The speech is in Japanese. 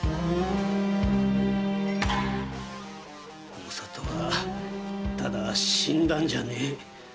お里はただ死んだんじゃない！